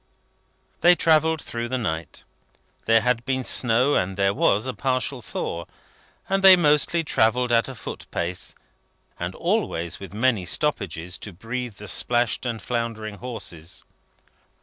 They travelled through the night. There had been snow, and there was a partial thaw, and they mostly travelled at a foot pace, and always with many stoppages to breathe the splashed and floundering horses.